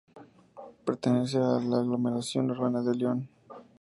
Pertenece a la aglomeración urbana de Lyon.